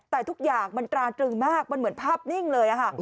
แต่ทุกอย่างมันตราตรึงมากมันเหมือนภาพนิ่งเลย